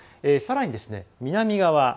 さらに、南側。